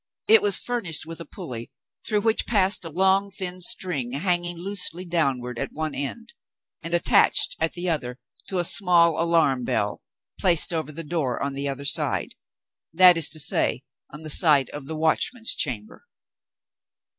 It was furnished with a pulley, through which passed a long thin string hanging loosely downward at one end, and attached at the other to a small alarm bell, placed over the door on the outer side that is to say, on the side of the Watchman's Chamber.